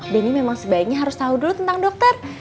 denny sebaiknya harus tau dulu tentang dokter